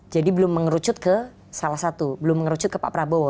jadi belum mengerucut ke salah satu belum mengerucut ke pak prabowo